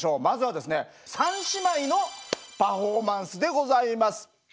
まずはですね三姉妹のパフォーマンスでございます。